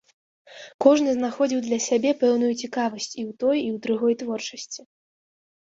Кожны знаходзіў для сябе пэўную цікавасць і ў той, і ў другой творчасці.